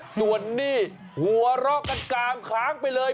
ส่วนหนี้หัวเราะกันกามค้างไปเลย